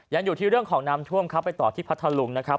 ยังอยู่ที่เรื่องของน้ำท่วมครับไปต่อที่พัทธลุงนะครับ